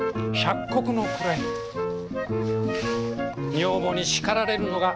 女房に叱られるのが関の山。